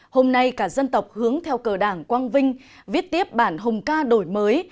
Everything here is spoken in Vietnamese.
hôm nay cả dân tộc hướng theo cờ đảng quang vinh viết tiếp bản hùng ca đổi mới